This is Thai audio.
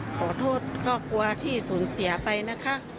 ขอโทษก็กลัวที่สูญเสียไปนะคะ